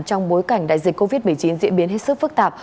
trong bối cảnh đại dịch covid một mươi chín diễn biến hết sức phức tạp